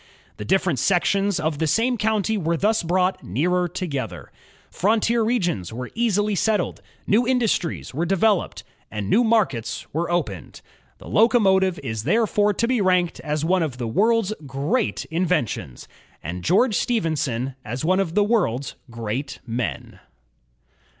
The different sections of the same county were thus brought nearer together. Frontier regions were easily settled, new industries were developed, and new markets opened. The locomotive is therefore to be ranked as one of the world's great inventions, and George Stephenson as one of the world's great men.